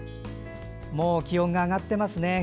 もう気温が上がってますね。